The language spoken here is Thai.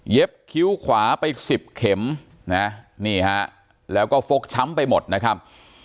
เย็บคิ้วขวาไป๑๐เข็มแล้วก็ฟกช้ำไปหมดนะครับ